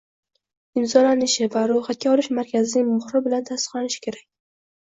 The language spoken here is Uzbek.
imzolanishi va ro‘yxatga olish markazining muhri bilan tasdiqlanishi kerak.